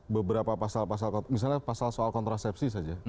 beberapa pasal pasal misalnya pasal soal kontrasepsi saja